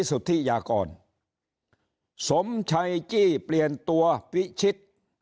กลัวซึทธิยากรสมชัยจี้เปลี่ยนตัววิชิภ